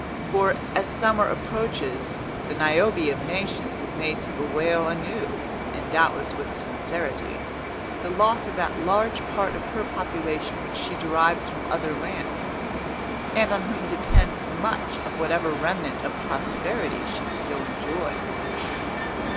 For, as summer approaches, the Niobe of Nations is made to bewail anew, and doubtless with sincerity, the loss of that large part of her population which she derives from other lands, and on whom depends much of whatever remnant of prosperity she still enjoys.